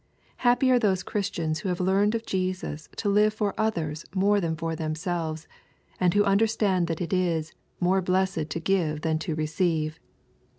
Happy are those Christians who have learned of Jesus to live for others more than for themselves, and who understand that it is " more blessed to give than to re ceive.